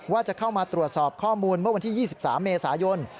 ว่าจะเข้ามาตรวจสอบข้อมูลเมื่อวันที่๒๓เมษายน